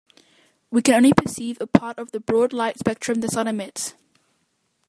We can only perceive a part of the broad light spectrum the sun emits.